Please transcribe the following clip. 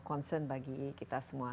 concern bagi kita semua